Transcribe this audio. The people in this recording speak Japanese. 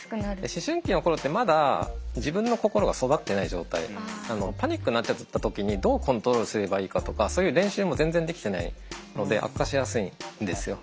思春期の頃ってまだ自分の心が育ってない状態なのでパニックになっちゃった時にどうコントロールすればいいかとかそういう練習も全然できてないので悪化しやすいんですよ。